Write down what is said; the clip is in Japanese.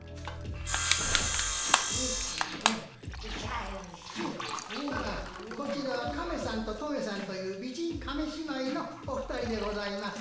ああこちらはカメさんとトメさんという美人亀姉妹のお二人でございます。